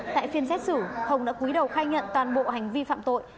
tại phiên xét xử hồng đã quý đầu khai nhận toàn bộ hành vi phạm tội